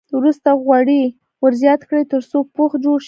وروسته غوړي ور زیات کړئ تر څو پوښ جوړ شي.